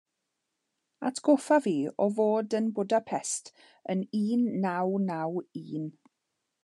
Atgoffa fi o fod yn Budapest yn un naw naw un.